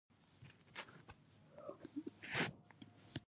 د شتمنو هېوادونو د لوړو عوایدو په څېر متفاوت دي.